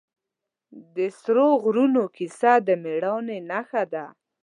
د سرو غرونو کیسه د مېړانې نښه ده.